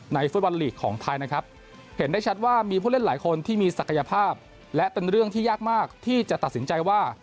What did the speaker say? ฟุตบอลลีกของไทยนะครับเห็นได้ชัดว่ามีผู้เล่นหลายคนที่มีศักยภาพและเป็นเรื่องที่ยากมากที่จะตัดสินใจว่า